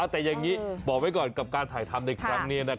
แต่อย่างนี้บอกไว้ก่อนกับการถ่ายทำในครั้งนี้